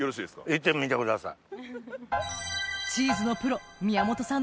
いってみてください。